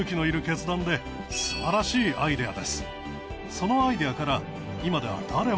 そのアイデアから。